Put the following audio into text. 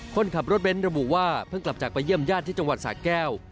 คนขับรถเบ้นระบุว่าเพิ่งกลับจากไปเยี่ยมญาติที่จังหวัดสะแก้ว